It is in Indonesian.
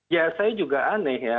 ya saya juga aneh ya